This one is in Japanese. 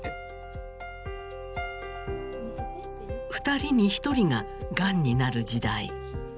２人に１人ががんになる時代。